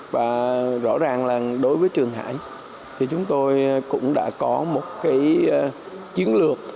và rõ ràng là đối với trường hải thì chúng tôi cũng đã có một chiến lược